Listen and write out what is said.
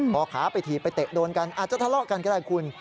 พอขาไปถีบไปเตะโดนกันอาจจะทะเลาะกันก็ได้คุณ